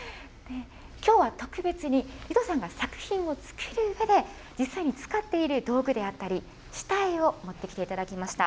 きょうは特別に、リトさんが作品を作るうえで、実際に使っている道具であったり、下絵を持ってきていただきました。